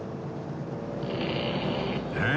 えっ？